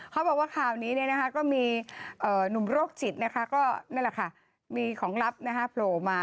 เขาบอกว่าข่าวนี้ก็มีหนุ่มโรคจิตมีของลับโผล่อออกมา